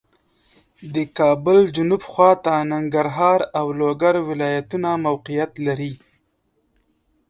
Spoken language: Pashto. د کابل جنوب خواته ننګرهار او لوګر ولایتونه موقعیت لري